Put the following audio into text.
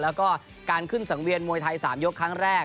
แล้วก็การขึ้นสังเวียนมวยไทย๓ยกครั้งแรก